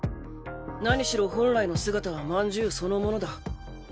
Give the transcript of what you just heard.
何しろ本来の姿はまんじゅうそのものだ。